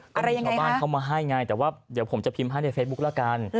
อะไรยังไงฮะเป็นผู้ชมบ้านเขามาให้ง่ายแต่ว่าเดี๋ยวผมจะพิมพ์ให้ในเฟซบุ๊กแล้วกัน